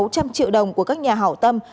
sáu trăm linh triệu đồng của các nhà hảo tâm